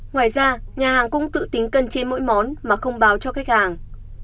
ngoài ra nhà hàng cũng tự tính cân chế mỗi món mà không báo cho khách hàng